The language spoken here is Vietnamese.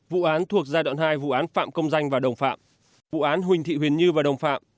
vụ án thuộc giai đoạn hai vụ án phạm công danh và đồng phạm vụ án huỳnh thị huyền như và đồng phạm